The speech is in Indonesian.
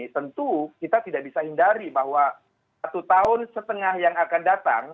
tentu kita tidak bisa hindari bahwa satu tahun setengah yang akan datang